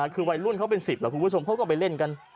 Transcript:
คือวัยรุ่นเขาเป็น๑๐แล้วคุณผู้ชมเขาก็ไปเล่นกัน